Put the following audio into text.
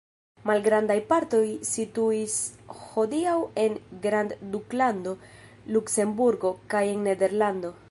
Malgrandaj partoj situis hodiaŭ en grandduklando Luksemburgo kaj en Nederlando.